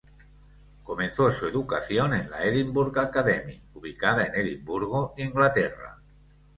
Comenzó su educación en la "Edinburgh Academy" ubicada en Edimburgo, Inglaterra.